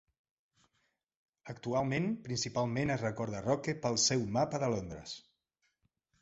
Actualment, principalment es recorda Rocque pel seu mapa de Londres.